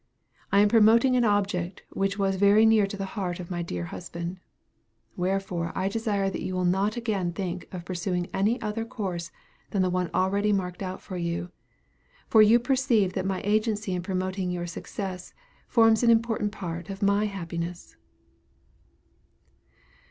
I am promoting an object which was very near the heart of my dear husband. Wherefore I desire that you will not again think of pursuing any other course than the one already marked out for you; for you perceive that my agency in promoting your success, forms an important part of my happiness."